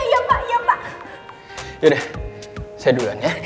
yaudah saya duluan ya